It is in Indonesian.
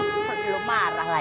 mungkin lu marah lagi